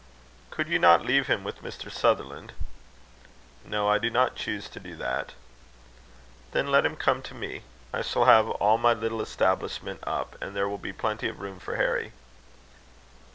"Could you not leave him with Mr. Sutherland?" "No. I do not choose to do that." "Then let him come to me. I shall have all my little establishment up, and there will be plenty of room for Harry."